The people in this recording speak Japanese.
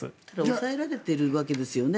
抑えられているわけですよね。